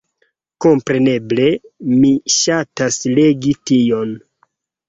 Kompreneble mi ŝatas legi tion